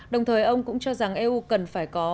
đồng thời ông cũng cho rằng eu cần phải có